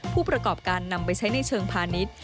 ผู้ประกอบการนำไปใช้ในเชิงพาณิชย์